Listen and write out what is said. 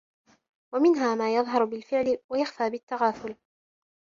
وَمِنْهَا مَا يَظْهَرُ بِالْفِعْلِ وَيَخْفَى بِالتَّغَافُلِ